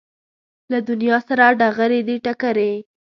له دنیا سره ډغرې دي ټکرې